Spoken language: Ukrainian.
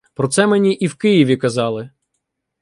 — Про це мені і в Києві казали.